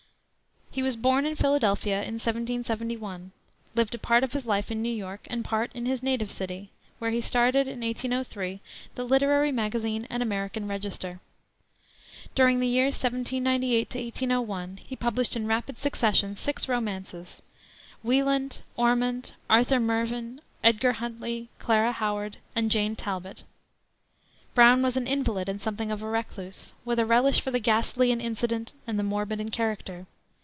He was born in Philadelphia in 1771, lived a part of his life in New York and part in his native city, where he started, in 1803, the Literary Magazine and American Register. During the years 1798 1801 he published in rapid succession six romances, Wieland, Ormond, Arthur Mervyn, Edgar Huntley, Clara Howard, and Jane Talbot. Brown was an invalid and something of a recluse, with a relish for the ghastly in incident and the morbid in character.